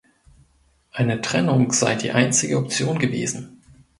Eine Trennung sei die einzige Option gewesen.